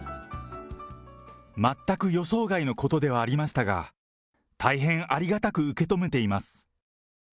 全く予想外のことではありましたが、大変ありがたく受け止めています。